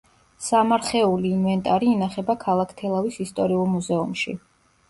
სამარხეული ინვენტარი ინახება ქალაქ თელავის ისტორიულ მუზეუმში.